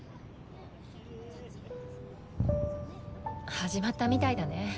始まったみたいだね。